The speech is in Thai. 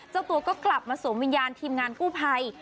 เจ้าตัวก็กลับมาสวมวิญญาณทีมงานกู้ภัย